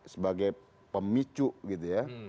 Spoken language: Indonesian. sebagai pemicu gitu ya